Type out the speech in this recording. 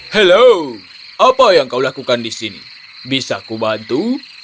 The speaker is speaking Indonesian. halo apa yang kau lakukan di sini bisa kubantu